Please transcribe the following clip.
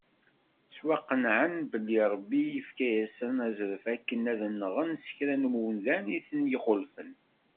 Ttwaqenɛen belli Ṛebbi yefka-asen azref akken ad nɣen sekra n umdan iten-ixulfen.